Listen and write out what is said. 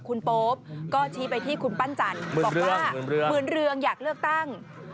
คุณโป๊ปก็ชี้ไปที่คุณปั้นจันทร์บอกว่าหมื่นเรืองอยากเลือกตั้ง